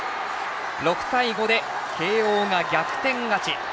６対５で慶応が逆転勝ち。